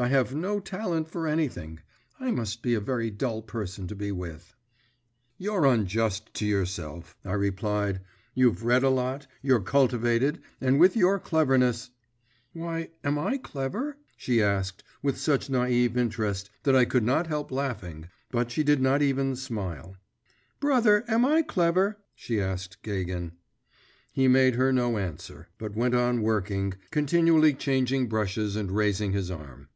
I have no talent for anything; I must be a very dull person to be with.' 'You're unjust to yourself,' I replied; 'you've read a lot, you're cultivated, and with your cleverness ' 'Why, am I clever?' she asked with such naïve interest, that I could not help laughing; but she did not even smile. 'Brother, am I clever?' she asked Gagin. He made her no answer, but went on working, continually changing brushes and raising his arm.